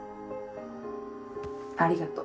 ありがと。